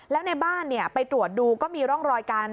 แล้วในบ้านไปตรวจดูก็มีร่องรอยการ